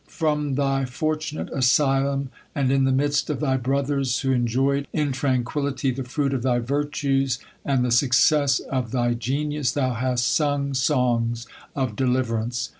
From thy fortunate asylum, and in the midst of thy brothers who enjoyed in tran quillity the fruit of thy virtues, and the success of thy genius, thou hast sung songs of deliverance.